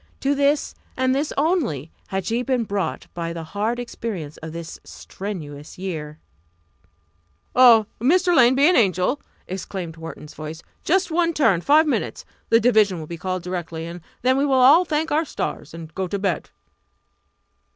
To this, and this only, had she been brought by the hard experience of this strenuous year. "Oh, Mrs. Lane, be an angel!" exclaimed Wharton's voice. "Just one turn five minutes! The division will be called directly, and then we will all thank our stars and go to bed!"